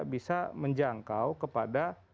bisa menjangkau kepada